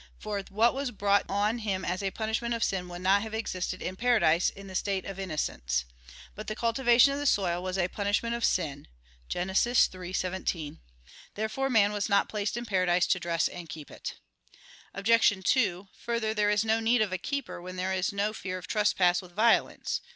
For what was brought on him as a punishment of sin would not have existed in paradise in the state of innocence. But the cultivation of the soil was a punishment of sin (Gen. 3:17). Therefore man was not placed in paradise to dress and keep it. Obj. 2: Further, there is no need of a keeper when there is no fear of trespass with violence.